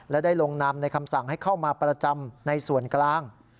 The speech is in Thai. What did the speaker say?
และได้ลงนามในคำสั่งให้เข้ามาประจำในส่วนกลาง